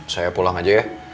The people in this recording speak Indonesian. saya pulang aja ya